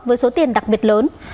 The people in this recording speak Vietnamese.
với số tiền đặc biệt lớn